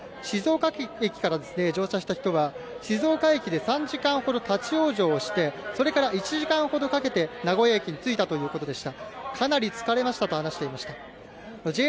静岡駅から乗車した人は静岡駅で３時間ほど立往生してそれから１時間ほどかけて名古屋駅に着いたということでした。